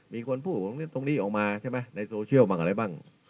มีคนพูดตรงนี้ออกมาใช่ไหมในโซเชียลบ้างอะไรบ้าง